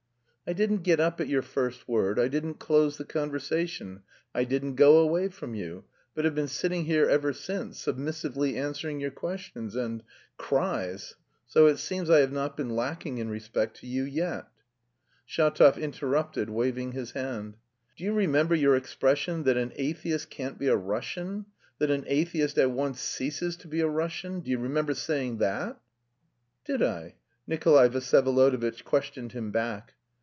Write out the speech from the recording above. "I didn't get up at your first word, I didn't close the conversation, I didn't go away from you, but have been sitting here ever since submissively answering your questions and... cries, so it seems I have not been lacking in respect to you yet." Shatov interrupted, waving his hand. "Do you remember your expression that 'an atheist can't be a Russian,' that 'an atheist at once ceases to be a Russian'? Do you remember saying that?" "Did I?" Nikolay Vsyevolodovitch questioned him back.